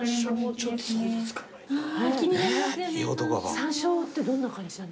山椒ってどんな感じなんですか？